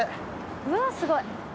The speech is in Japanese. うわすごい。